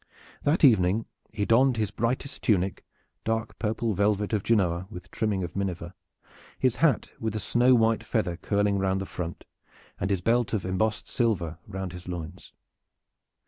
That evening he donned his brightest tunic, dark purple velvet of Genoa, with trimming of miniver, his hat with the snow white feather curling round the front, and his belt of embossed silver round his loins.